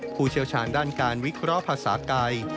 ผู้เชี่ยวชาญด้านการวิเคราะห์ภาษากาย